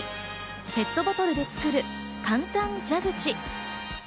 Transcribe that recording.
ペットボトルで作る、簡単蛇口。